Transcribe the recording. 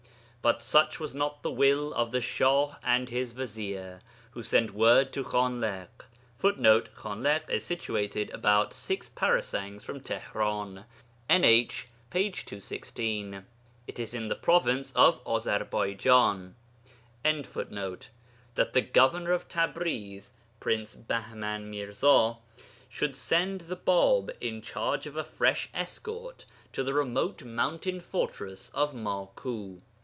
But such was not the will of the Shah and his vizier, who sent word to Khanliḳ [Footnote: Khanliḳ is situated 'about six parasangs' from Tihran (NH, p. 216). It is in the province of Azarbaijan.] that the governor of Tabriz (Prince Bahman Mirza) should send the Bāb in charge of a fresh escort to the remote mountain fortress of Maku.